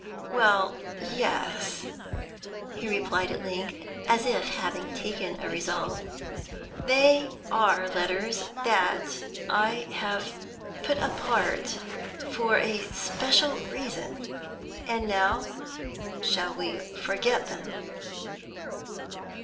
'Well, yes,' he replied at length, as if having taken a resolve, 'they are letters of that I have put apart for a special reason. And now, shall we forget them?'